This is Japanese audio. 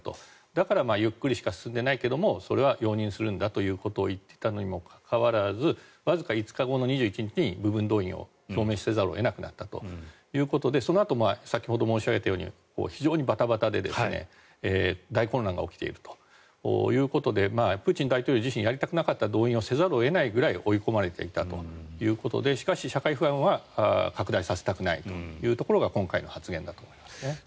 だから、ゆっくりしか進んでいないんだけれどもそれは容認するんだということを言っていたにもかかわらずわずか５日後の２１日に部分動員を表明せざるを得なくなったということでそのあと先ほど申し上げたように非常にバタバタで大混乱が起きているということでプーチン大統領自身やりたくなかった動員令をせざるを得なかったぐらい追い込まれていたということでしかし、社会不安は拡大させたくないというところが今回の発言だと思います。